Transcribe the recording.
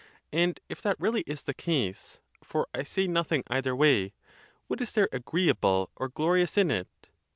And, if that really is the case—for I say nothing either way—what is there agreeable or glori ous init?